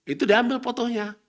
itu diambil foto nya